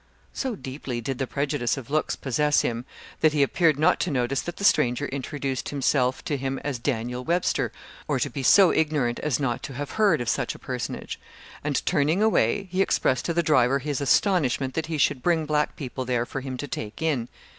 So deeply did the prejudice of looks possess him, that he appeared not to notice that the stranger introduced himself to him as Daniel Webster, or to be so ignorant as not to have heard of such a personage; and turning away, he expressed to the driver his astonishment that he should bring black people there for him to take in.